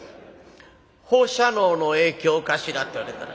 放射能の影響かしら」って言われたらしい。